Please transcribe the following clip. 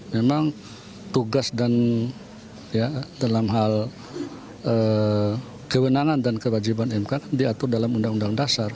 memang tugas dan dalam hal kewenangan dan kewajiban mk diatur dalam undang undang dasar